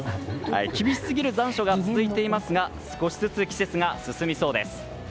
厳しすぎる残暑が続いていますが少しずつ季節が進みそうです。